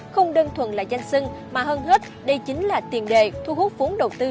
không đơn thuần là danh sưng mà hơn hết đây chính là tiền đề thu hút vốn đầu tư